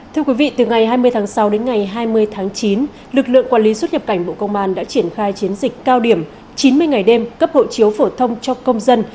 thưa quý vị từ ngày hai mươi tháng sáu đến ngày hai mươi tháng chín lực lượng quản lý xuất nhập cảnh bộ công an đã triển khai chiến dịch cao điểm chín mươi ngày đêm cấp hộ chiếu phổ thông cho công dân